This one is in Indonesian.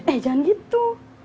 eh jangan gitu